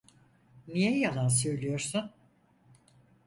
Niye yalan söylüyorsun?